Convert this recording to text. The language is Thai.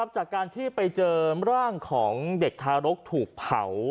จากการที่ไปเจอร่างของเด็กทารกถูกเผา